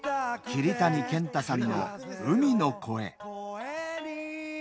桐谷健太さんの「海の声」。